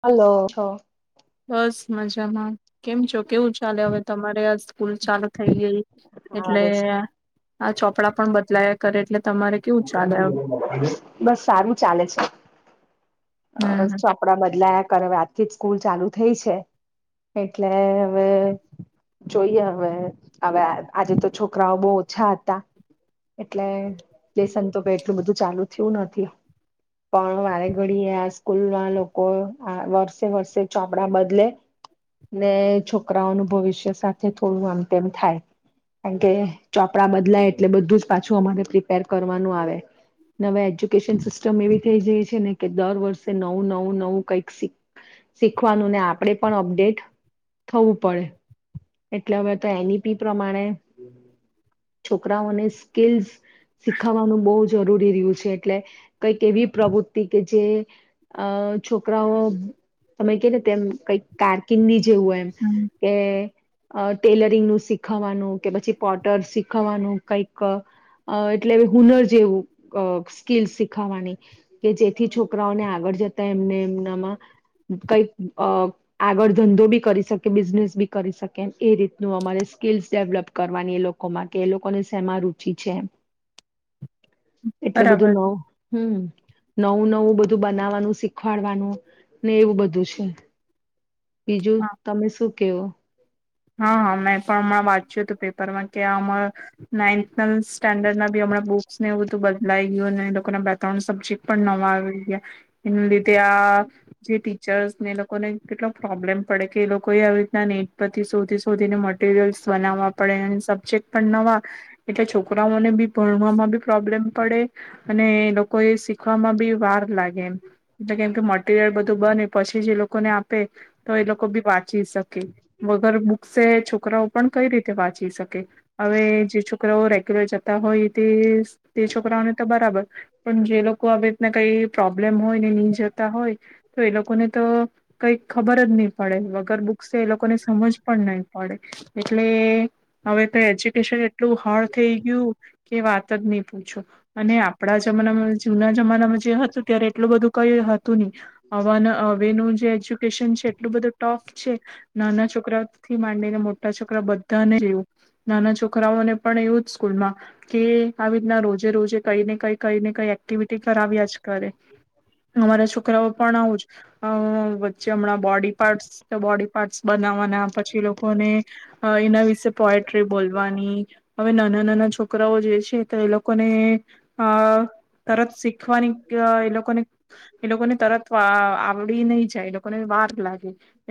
Hello હ. બસ મજામાં કેમ છો કેવું ચાલે હવે તમારે આ સ્કૂલ ચાલુ થઈ ગઈ? હા એટલે બસ આ ચોપડા પણ બદલાયા કરે એટલે તમારે કેવું ચાલે [unintelligible] બસ સારું ચાલે છે. અ હમ ચોપડા બદલાયા કરે હવે આજથી જ સ્કૂલ ચાલુ થઈ છે, એટલે હવે જોઈએ હવે હવે આજે તો છોકરાઓ બહુ ઓછા હતા, એટલે લેસન તો એટલું બધું ચાલુ થયું નથી, પણ વારે ઘ ડિયે આ સ્કૂલ ના લોકો આ વર્ષે વર્ષે ચોપડા બદલે, ને છોકરાઓનું ભવિષ્ય સાથે થોડું આમ તેમ થાય, કારણકે ચોપડા બદલાય એટલે બધું જ પાછું અમારે પ્રિપેર કરવાનું આવે, નવે એજ્યુકેશન સિસ્ટમ એવી થઈ જાય છે ને કે દર વર્ષે નવું નવું નવું કંઈક શીખ શીખવાનું ને આપણેે પણ અપડેટ થવું પડે, એટલે હવે તો એનેપી પ્રમાણે, છોકરાઓને સ્કીલસ શીખાવાનું બહુ જ જરૂરી રહ્યું છે એટલે, કઈક એવી પ્રવૃત્તિ કે જે, અ છોકરાઓ તમે કે ને તેમ કઈક કારકિનની જેવું એમ, હમ કે અ ટેલરિંગનું શીખવાનું કે પછી પોટર શીખવાનું કઈક અ એટલે હુનર જેવું અ સ્કીલ શીખવાની. કે જેથી છોકરાઓને આગળ જતા એમને એમનામાં કઈક અ આગળ ધંધો બી કરી શકે બિઝનેસ બી કરી શકે એ રીતનું અમારે સ્કીલ્સ ડેવલપ કરવાની એ લોકો માટે કે એ લોકોને શેમાં રુચિ છે. એટલે બરાબર બધું ન હમ. નવું નવું બધું બનાવવાનું શીખવાડવાનું ને એવું બધું છે. બીજું હા તમે શું કેવો હા હા મેં પણ હમણાં વાંચ્યું હતું પેપરમાં, કે આમા નાઇથ ફર્સ્ટ સ્ટાન્ડર્ડ ના બી હમણાં બુક બૂક્સ ને એવું બધું બદલાઈ ગયું. ને એ લોકો ના બે ત્રણ સબ્જેક્ટ પણ નવા આવી ગયા. હિન્દી ત્યા જેટી પિક્ચરસ ને એ લોકોને કેટલો પ્રોબ્લેમ પડે કે એ લોકો એ આવી રીતના નેટ પર શોધી શોધીને મટરિયલ્સ બનાવવા પડે અને સબ્જેક્ટ પણ નવા એટલે છોકરાઓને બી ભણવામાં બી પ્રોબ્લેમ પડે અને એ લોકો એ શીખવામાં બી વાર લાગે જોકે એટલે કેમકે મટીરિયલ બધું બને પછી જે એ લોકોને આપે તો એ લોકો બી વાંચી શકે. વગર બુક્સે છોકરાઓ પણ કઈ રીતે વાંચી શકે? હવે જે છોકરાઓ રે રેગ્યુલર જતા હોય તે છોકરાઓને તો બરાબર પણ જે લોકો આવી રીતના કઈ પ્રોબ્લેમ હોય નહી જતા હોય તો એ લોકોને તો કઈ ખબર જ નહી પડે વગર બુક્સ એ લો સમજ પણ નહી પડે. એટલે હવે તો એજુકેશન એટલું હાર્ડ થઈ ગયું કે વાત જ નહી પૂછો અને આપણા જમાનામાં જુના જમાનામાં જે હતું ત્યારે એટલું બધું કઈ હતું ની હવન અ હવેનું જે એજ્યુકેશન છે એટલું બધું ટફ ચેક નાના છોકરાઓ થી માંડીને મોટા છોકરા બધા ને જ એવું. નાના છોકરાઓને પણ એવું જ સ્કૂલમાં કે આવી રીતના રોજે રોજે કઈ ને કઈ કઈ ને કઈ એક્ટિવિ કે કરાવ્યા જ કરે. અમારા છોકરાઓ પણ આવુંજ અહ વચ્ચે હમણાં બોડી પાર્ટસ બોડી પાર્ટ્સ બનાવવાના. પછી લોકોને અ એના વિશે પોયટ્રી બોલવાની. હવે નાના નાના છોક છોકરાઓ જે છે તો એ લોકોને અહ તરત શીખવાની એ લોકોને એ લોકોને તરત અહ આવડી નઈ જાય લોકોને વાર લાગે.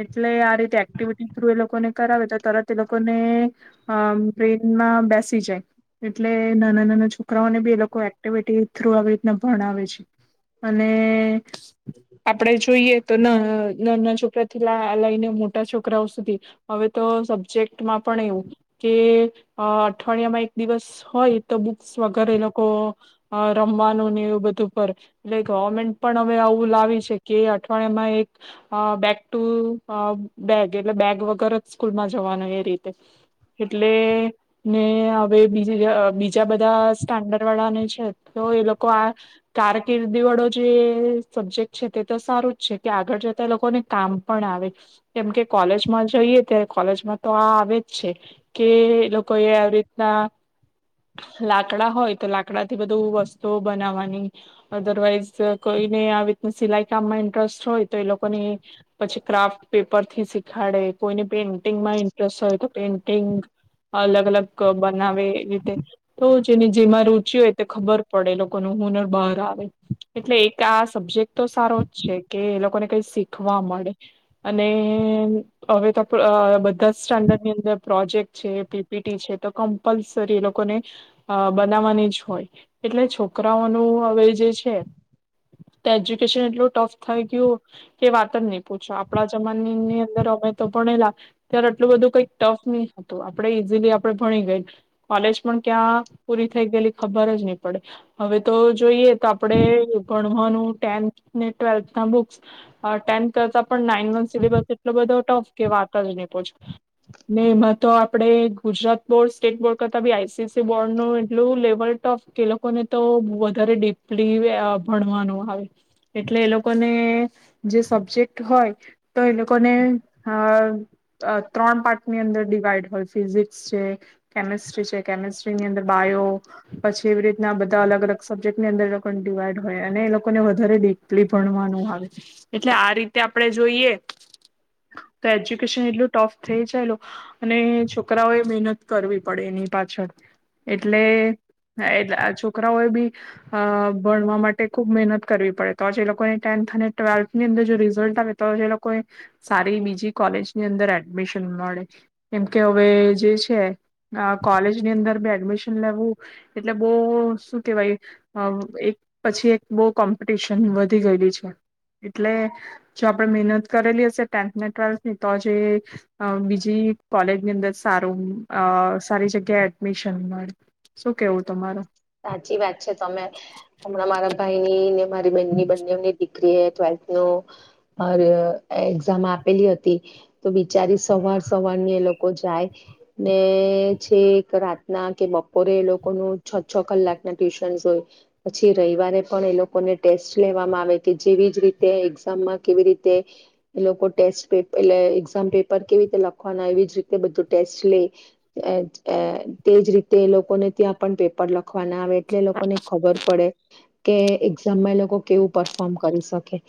એટલે આ એક્ટિવિટી થ્રુ એ લોકો ને કરાવે તો તરત એ લોકોને અહ ટ્રેનમાં બેસી જાય એટલે નાના નાના છોક- રાઓને બી એ લોકો એક્ટિવિટી થ્રુ આવી રીતના ભણાવે છે. અને આપણે જોઈએ તો ના નાના છોકરાથી લા લઈને મો મોટા છોકરાઓ સુધી. હવે તો સબ્જેક્ટમાં પણ એવું કે અ અઠવાડિયામાં એક દિવસ હોય તો બુક્સ વગર એ લોકો અ રમવાનું ને એવું બધું પર એટલે ગવર્મેન્ટ પણ હવે આવું લાવી છે કે અઠવાડિયામાં એક અ બેક ટુ અ બેગ એટલે બેગ વગર જ સ્કૂલમાં જવાનું એ રીતે, એટલે ને હવે બી બીજા બધા સ્ટાન્ડર્ડ વાળા ને છે તો એ લોકો આ, કારકિર્દી વાળો જે સબજેક્ટ છે તે તો સારું જ છે કે આગળ જતા એ લોકોને કામ પણ આવે. કેમકે કોલેજમાં જઈએ ત્યારે કોલેજમાં તો આ આવે જ છે, કે લોકો એ આવી રીતના, લાકડા હોય તો લાકડાથી બધું વસ્તુઓ બનાવવાની, અદરવાઈઝ કોઈને આવી સિલાઈ કામમાં ઇન્ટરેસ્ટ હોય તો એ લોકોને પછી ક્રાફ્ટ પેપર થી શીખાડે કોઈને પેઇન્ટિંગમાં ઇન્ટરેસ્ટ હોય તો પેઇન્ટિંગ, અલગ અલગ બનાવે એ રીતે, તો જેની જેમાં રુચિ હોય તે ખબર પડે લોકોનું હુનર બહાર આવે, એટલે એક આ સબ્જેક્ટ તો સારો જ છે કે એ લોકોને કઈ શીખવા મળે. અને અહ હવે તો આપણે અહ બધા સ્ટાન્ડર્ડ ની અંદર પ્રોજેક્ટ છે પી પી ટી છે તો કમ્પલસરી એ લોકોને, બનાવવાની જ હોય, એટલે છોકરાઓનું હવે જે છે એજ્યુકેશન એટલું ટફ થઈ ગયું, કે વાત જ નહી પૂછો. આપણા જમાનની અંદર અમે ભણેલાં, ત્યારે આટલું બધું કઈક ટફ નહી હતું આપણે ઈઝીલી આપણે ભણી ગયા, કોલેજ પણ ક્યાં પૂરી થઈ ગયેલી ખબર જ નહી પડે, હવે તો જોઈએ તો આપણે ભણવાનું ટેન્થ ને, ટ્વેલ્થ ના બુક્સ ટેન્થ કરતાં પણ નાઇન વ સિલેબસ એટલો બધો ટફ કે વાત જ નહી પુછો, ને એમાં તો આપડે ગુજરાત બોર્ડ સ્ટેટ બોર્ડ કરતા B I C C board ન એટલું લેવલ ટફ કે એ લોકોને તો વધારે ડીપલી ભણવાનું આવે, એટલે એ લોકોને જે સબ્જેક્ટ હોય તો એ લોકોને ત્રણ પાર્ટની અંદર ડિવાઈડ હોય ફિઝિક્સ છે, કેમિસ્ટ્રી છે, કેમિસ્ટ્રીની અંદર બાયો પછી એવી રીતના બધા અલગ અલગ સબ્જેક્ટની અંદર લોકોને ડિવાઈડ હોય અને એ લોકોને વધારે દેપલી ભણવાનું આવે, એટલે આ રીતે આપણે જોઈએ, તો એજ્યુકેશન એટલું ટફ થઈ જાયલો, અને છોકરાઓએ મહેનત કરવી પડે એની પાછળ, એટલે છોકરાઓએ બી, ભણવા માટે ખુબ મહેનત કરવી પડે તોજ એ લોકોને ટેન્થ અને ટ્વેલ્થની અંદર જો રીઝલ્ટ‌ આવે તો એ લોકો, સારી બીજી કોલેજની અંદર એડમિશન મળે, કેમકે હવે જે છે કોલેજની અંદર એડમિશન લેવું, એટલે બહ શું કેવાય, એક પછી એક બહ કોમ્પિટિશન વધી ગયેલી છે. એટલે મહેનત કરેલી હશે ટેન્થ ને ટ્વેલ્થ ની તો જે, બીજી કોલેજની અંદર સારું સારી જગ્યાએ એડમિશન મળે, શું કેવું તમારૂ? સાચી વાત છે તમે, હમણાં મારાં ભાઈની ને મારી બની બંનેની દીકરી એ ટ્વેલ્થ નું, એક્ઝામ આપેલી હતી, તો બિચારી સવાર સવારની એ લોકો જાય, ને છે એક રાતના કે બપોરે એ લોકો નું છ છ કલાકના ટ્યુશન્સ હોય, પછી રવિવારે પણ એ લોકોને ટેસ્ટ લેવામાં આવે કે જેવી જ રીતે એક્ઝામમાં કેવી રીતે, એ લોકો ટેસ્ટ એટ એક્ઝામ પેપર કેવી રીતે લખવાનાય એવી જ રીતે બધું ટેસ્ટ લે, તેજ રીતે એ લોકોને ત્યાં પણ પેપર લખ ખવાના આવે. એટલે લોકો ને ખબર પડે. કે એક્ઝામમાં એ લોકો કેવું પરફોર્મ કરી શકે,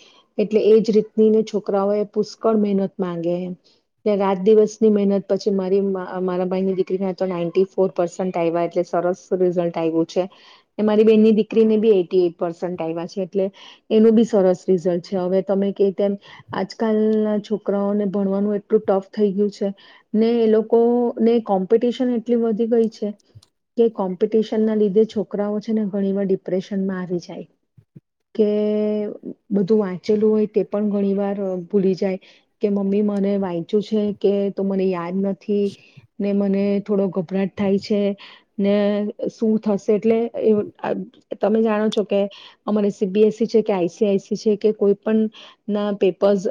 એટલે એજ રીતનીને છોકરાઓ એ પુષ્કળ મહેનત માંગે, રાત દિવસની મહેનત પછી મારી મારા ભાઈની દીકરીને તો નાઈન્ટી ફોર પર્સન્ટ આવ્યા એટલે સરસ રિઝલ્ટ આવ્યું છે, બેનની દીકરીને બી એઈટી એઈટી આવ્યા છે એટલે, એનું બી સરસ રીઝલ્ટ છે, હવે તમે કે તેમ આજકાલ ના છોકરાઓને ભણવાનું એટલું ટફ થઈ ગયું છે, ને એ લોકોને કોમ્પિટશન એટલી વધી ગઈ છે, કે કોમ્પ ટીશન ના લીધેના લીધે છોકરાઓ છે ને ઘણી વાર ડિપ્રેશનમાં આવી જાય, કે બધું વાંચેલું હોય તે પણ ઘણી વાર ભૂલી જાય, કે મમ્મી મને વાંચ્યું છે કે તો મને યાદ નથી, ‌ ને મને થોડો ગભરાટ થાય છે, ને શું થશે એટલે તમે જાણો છો કે, અમારે સી બી એસ સી છે કે આઈ સી આઈ સી છે કે કોઈ પણ, ના પેપર્સ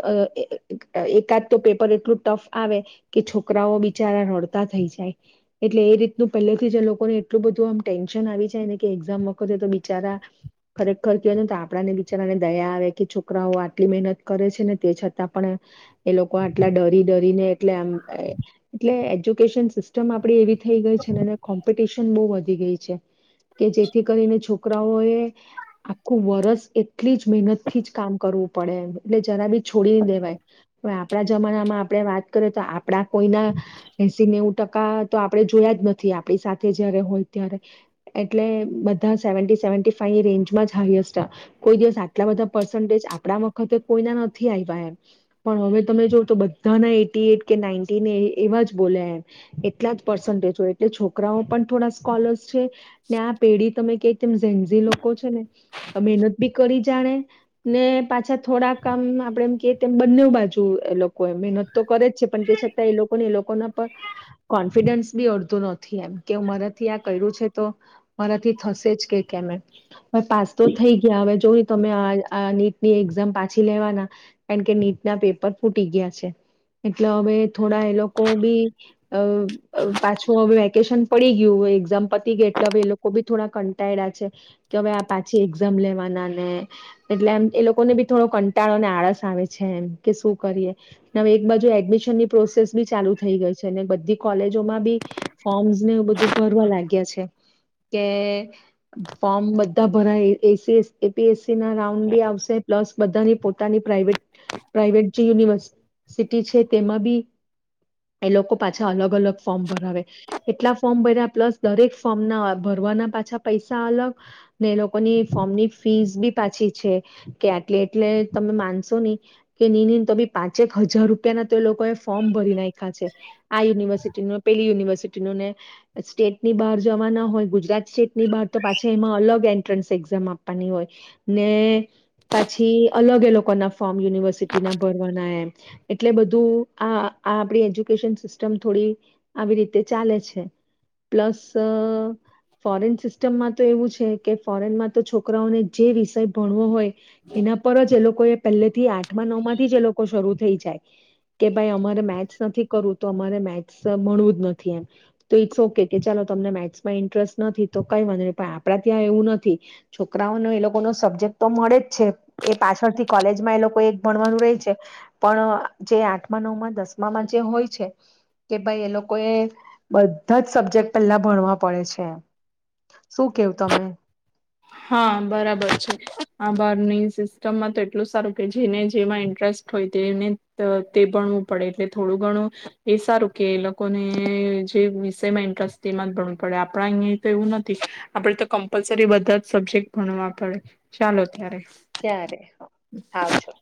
એકાદ તો પેપર એટલું ટફ આવે કે છોકરાઓ બિચારા રડતા થઈ જાય, એટલે એ રીતનું પહેલેથી જે લોકોને એટલું બધું આમ ટેન્શન આવી જાયને કે એક્ઝામ વખતે તો બિચારા, ખરેખર હોય ને તો આપણાને બિચારાને દયા આવે કે છોકરાઓ આટલી મહેનત કરે છે ને તે છતાં પણ, એ લોકો આટલા ડરી ડરી ને‌ એટલે આમ એજુકેશન સિસ્ટમ આપ એવી થઈ ગઈ છે ને કોમ્પિટશન‌ વધી ગઈ છે, કે જેથી કરીને છોકરાઓ એ, આખું વરસ એટલી જ મહેનત થી જ કામ કરવું પડે એટલે જરા બી છોડી ન‌ દેવાય, હવે આપણા જમાનામાં આપણે વાત કરીએ તો આપણા કોઈના, એસી નેવું ટકા તો આપણે જોયા જ નથી આપણી સાથે જ્યારે હોય ત્યારે, એટલે બધાં સેવન્ટી સેવન્ટી ફાઈ ની રેન્જમાં જ હાએસ્ટ, કોઈ દિવસ આટલા બધાં પર્સન્ટેજ ‌ આપણાં વખતે કોઈના નથી આવ્યાં, એમ પણ હવે તમે જો તો બધાનાં એઈટી એઈટી કે નાઈન્ટી ને એવાં જ બોલ્યા એમ. એટલા જ પર્સન્ટેજ હોય એટલે છોકરી છોકરાઓ પણ થોડા સ્કોલર્સ છે, ‌ ને આ પેઢી તમે ક તેમ ઝનઝી લોકો છે ને આ મહેનત બી કરી જાણે, ને પાછા થોડાંક કામ આપડે એમ કેર તેમ બંને બાજુ એ લોકો ક મહેનત તો કરે જ છે. પણ તે છતાં એ લોકોને એ લોકોના પર કોન્ફિડન્સ બી અડધું ન થી એમ કે ‌મારા થી ‌આ કર્યું છે તો મારાથી થશે જ કે કેમે. હવે પાસ તો થઈ ગયા હવે જો. તમે આ આ નીટની એક્ઝામ પાછી લેવાના કારણ કે, નીટ ના પેપર ફૂટી ગયા છે એટલે હવે થોડા એ લોકો બી અ અ પાછો હવે કેશન પડી ગયું એક્ઝામ પતી ગઈ એટલે હવે એ લોકો બી થોડા કંટાળ્યા છે કે, હવે આ પાછી એક્ઝામ લેવાનાને એટલે એમ એ લોકોને બી થોડો કંટાળોને આળસ આવે છે એમ, કે શું કરીએ હવે એક બાજુ એડમિશન ની પ્રોસેસ બી ચાલુ થઈ ગઈ છે‌. મેં બધી કોલેજોમાં બી ફોર્મ્સ ને બધું ભરવા લાગ્યા છે. કે ફોર્મ બધા ભરાય એ S S A P S ના રાઉન્ડ બી આવશે પ્લસ બધાની પોતાની પ્રાઇવેટ પ્રાઇવેટ જે યુનિવર્સિટી છે તેમાં બી એ લોકો પાછા અલગ અલગ ફોર્મ ભરાવે. એટલા ફોર્મ ભર્યા, પ્લસ દરેક ફોર્મના ભરવાના પાછા પૈસા અલગ ને એ લોકોની ફોર્મની ફીસ બી પાછી છે કે આટલે એટલે તમે માનશો ની કે ની ની તો બી પાંચેક હજાર રૂપિયાના તો એ લોકોએ ફોર્મ ભરી નાય્ખા છે, આ યુનિવર્સિટી ને પેલી યુનિવર્સિટી. [unintelligible] સ્ટેટની બહાર જવાના હોય ગુજરાત સ્ટેટની બહાર તો પાછી એમાં અલગ એન્ટ્રન્સ એક્ઝામ આપવાની હોય ને પાછી અલગ એ લોકોના ફોર્મ યુનિવર્સિટીના ભરવાના એમ એટલે બધું આ આ આપડી એજ્યુકેશન સિસ્ટમ થોડી આવી રી તે ચાલે છે, પ્લસ અ ફોરેન સિસ્ટમમાં તો એવું છે કે ફોરેનમાં તો છોકરાઓને જે વિષય ભણવો હોય એના પર જ એ લો લોકોએ પેલ્લેથી આઠમા નવમાંથી જ એ લોકો શરૂ થઈ જાય કે ભાઈ અમારે મેથ્સ નથી કરવું, તો અમારે મેથ્સ મળવું ન થી એમ, તો ઈટ્સ ઓ કે કે ચાલો તમને મેથ્સમાં ઇન્ટરેસ્ટ નથી, તો કંઈ વાંધ ની પણ આપડા ત્યાં એવું નથી, છોકરાઓનો એ લોકોનો સબ્જેક્ટ તો મળે જ છે એ પાછળથી કોલેજમાં એ લોકો એક ભણવાનું રેય છે, પણ જે આઠમા નવમાં દસમામાં જે હોય છે કે ભાઈ એ લોકો એ બધા જ સબ્જેક્ટ પેલ્લા ભણવા પડે છે, શું કેવું તમે? હા બરાબર છે આ બહારની સિસ્ટમમાં તો એટલું સારું કે જેને જેમાં ઇન્ટરેસ્ટ હોય તેને ત તે ભણવું પડે એટલે થોડું ઘણું એ સારું કે એ લોકોને જે વિષયમાં ઇન્ટરેસ્ટ તેમાં જ ભણવું પડે, આપણા અઈયે તો એવું નથી, આપણેે તો કમ્પલસરી બધા જ સબ્જેક્ટ ભણવા પડે, ચાલો ત્યારે ત્યારે આવજો.